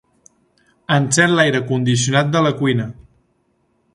Encén l'aire condicionat de la cuina.